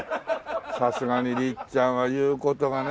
さすがにりっちゃんは言う事がね